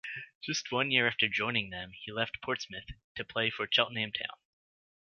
Just one year after joining them, he left Portsmouth to play for Cheltenham Town.